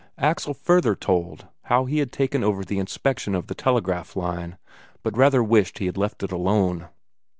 Axel further told how he had taken over the inspection of the telegraph line, but rather wished he had left it alone.